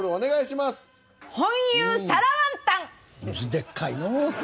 でっかいのう。